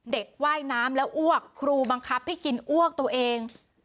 ว่ายน้ำแล้วอ้วกครูบังคับให้กินอ้วกตัวเอง